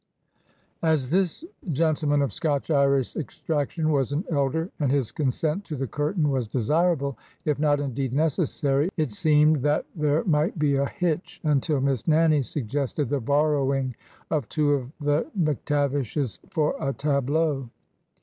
As this gentleman of Scotch Irish extraction was an elder, and his consent to the curtain was desirable, if not, indeed, necessary, it seemed that there might be a hitch until Miss Nannie suggested the borrowing of two of the McTavishes for a tableau.